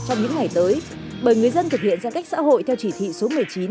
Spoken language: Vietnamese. trong những ngày tới bởi người dân thực hiện giãn cách xã hội theo chỉ thị số một mươi chín